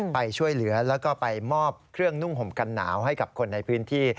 ไปช่วยเหลือแล้วก็ไปมอบเครื่องนุ่งห่มกันหนาวให้กับคนในพื้นที่